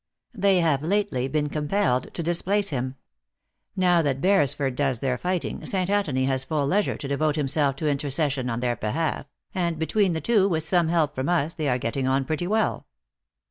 They have lately been compelled to displace him. Now that Beresford docs their fighting, St. An tony has full leisure to devote himself to intercession 134 THE ACTKESS IN HIGH LIFE. on their behalf, and, between the two, with some help from us, they are getting on pretty well."